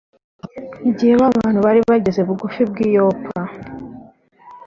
Igihe ba bantu bari bageze bugufi bw i yopa